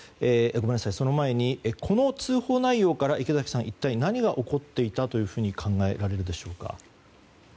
その前に、この通報内容から池嵜さん、一体何が起こっていたと考えられますか。